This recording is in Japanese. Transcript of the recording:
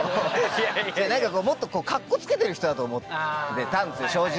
何かこうもっとカッコつけてる人だと思ってたんですよ正直。